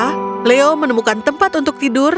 pertama leo menemukan tempat untuk tidur